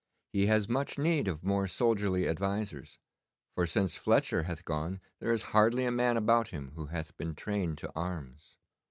He has much need of more soldierly advisers, for since Fletcher hath gone there is hardly a man about him who hath been trained to arms.